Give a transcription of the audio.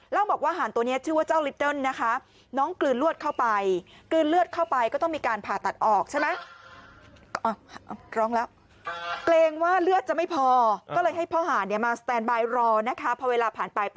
เล่าบอกว่าหารตัวนี้ชื่อว่าเจ้าย